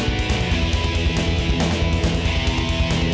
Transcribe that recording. raya liat deh